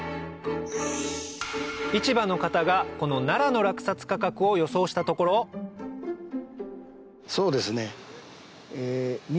市場の方がこのナラの落札価格を予想したところそうですね。